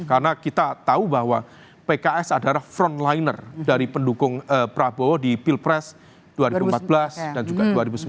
karena kita tahu bahwa pks adalah frontliner dari pendukung prabowo di pilpres dua ribu empat belas dan juga dua ribu sembilan belas